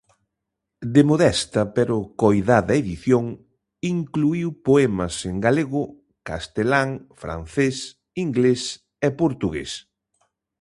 De modesta pero coidada edición, incluíu poemas en galego, castelán, francés, inglés e portugués.